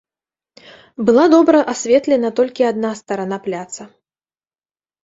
Была добра асветлена толькі адна старана пляца.